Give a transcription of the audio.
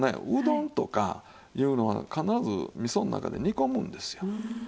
うどんとかいうのは必ず味噌の中で煮込むんですよ。